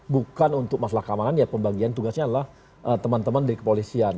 bukan untuk masalah keamanan ya pembagian tugasnya adalah teman teman dari kepolisian